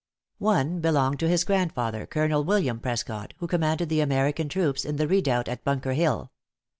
One belonged to his grandfather, Colonel William Prescott, who commanded the American troops in the redoubt at Bunker Hill.